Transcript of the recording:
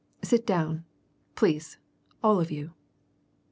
Sit down, please, all of you.